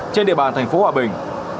trên địa bàn thành phố hòa bình